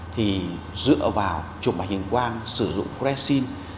thì dựa vào chụp mạch hình quang sử dụng phrasin